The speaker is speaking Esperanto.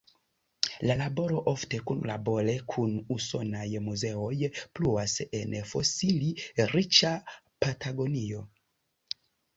La laboro, ofte kunlabore kun usonaj muzeoj, pluas en fosili-riĉa Patagonio.